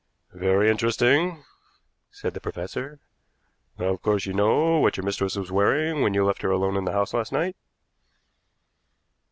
"Very interesting," said the professor. "Now, of course you know what your mistress was wearing when you left her alone in the house last night?"